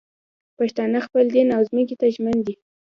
پښتانه خپل دین او ځمکې ته ژمن دي